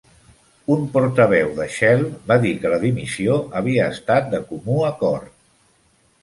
Un portaveu de Shell va dir que la dimissió havia estat de comú acord.